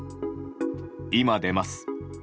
今出ます。